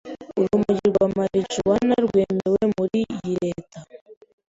Urumogi rwa marijuwana rwemewe muri iyi leta.